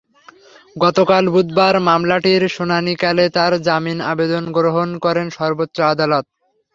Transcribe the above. গতকাল বুধবার মামলাটির শুনানিকালে তাঁর জামিন আবেদন গ্রহণ করেন সর্বোচ্চ আদালত।